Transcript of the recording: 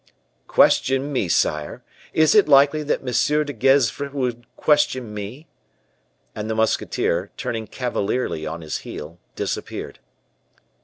"Question me, sire! Is it likely that M. de Gesvres should question me?" And the musketeer, turning cavalierly on his heel, disappeared.